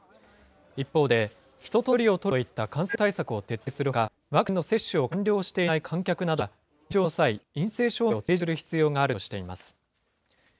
一方で、人との距離を取るといった感染対策を徹底するほか、ワクチンの接種を完了していない観客などは、入場の際、陰性証明を提示する必要があるとしています。